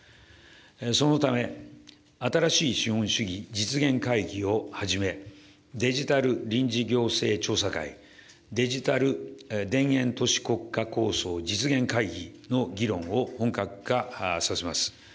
そのため、新しい資本主義実現会議を始め、デジタル臨時行政調査会、デジタル田園都市国家構想実現会議の議論を本格化させます。